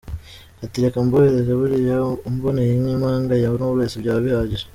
Ati “Reka mborohereze buriya umboneye nk’impanga ya Knowless byaba bihagije.